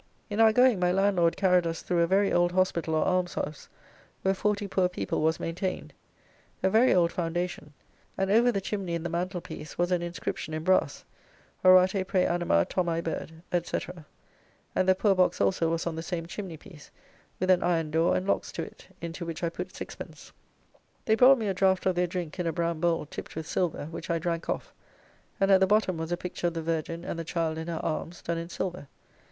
In our going, my landlord carried us through a very old hospital or almshouse, where forty poor people was maintained; a very old foundation; and over the chimney in the mantelpiece was an inscription in brass: "Orate pre anima Thomae Bird," &c. and the poor box also was on the same chimney piece, with an iron door and locks to it, into which I put 6d. They brought me a draft of their drink in a brown bowl, tipt with silver, which I drank off, and at the bottom was a picture of the Virgin and the child in her arms, done in silver.